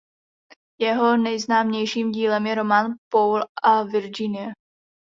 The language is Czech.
Jeho nejznámějším dílem je román "Paul a Virginie".